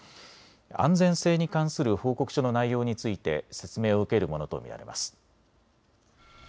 安全性に関する報告書の内容について説明を受けるものと見られます。